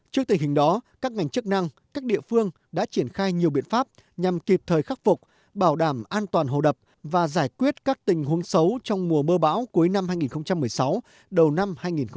trước tình hình đó các ngành chức năng các địa phương đã triển khai nhiều biện pháp nhằm kịp thời khắc phục bảo đảm an toàn hồ đập và giải quyết các tình huống xấu trong mùa mưa bão cuối năm hai nghìn một mươi sáu đầu năm hai nghìn một mươi chín